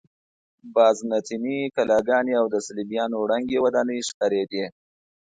بازنطیني کلاګانې او د صلیبیانو ړنګې ودانۍ ښکارېدې.